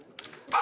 あ！